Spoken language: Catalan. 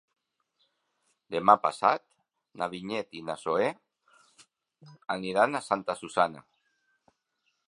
Demà passat na Vinyet i na Zoè aniran a Santa Susanna.